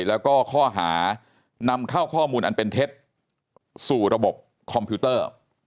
แล้วก็ข้อหานำเข้าข้อมูลอันเป็นเท็จสู่ระบบคอมพิวเตอร์